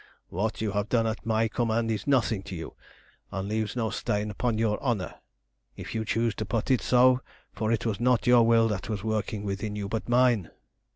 "What you have done at my command is nothing to you, and leaves no stain upon your honour, if you choose to put it so, for it was not your will that was working within you, but mine.